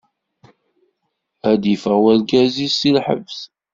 Ad d-yeffeɣ urgaz-is si lḥebs.